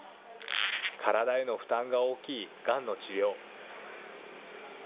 体への負担が大きいがんの治療。